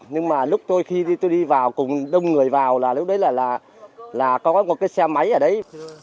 nhưng mà lúc tôi khi tôi đi vào cùng đông người vào là lúc đấy là có một cái xe máy ở đấy